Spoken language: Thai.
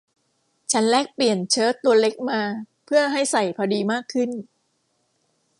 ฉันแลกเปลี่ยนเชิ้ตตัวเล็กมาเพื่อให้ใส่พอดีมากขึ้น